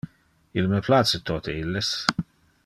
Il me place tote illes.